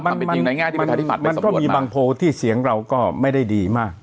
มันก็มีบางโพลที่เสียงเราก็ไม่ได้ดีมาก